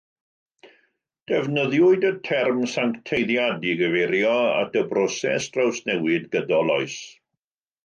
Defnyddiwyd y term "sancteiddiad" i gyfeirio at y broses drawsnewid gydol oes.